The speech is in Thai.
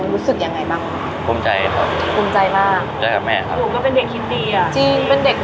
มีขอเสนออยากให้แม่หน่อยอ่อนสิทธิ์การเลี้ยงดู